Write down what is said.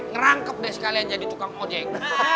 ngerangkep deh sekalian jadi tukang ojek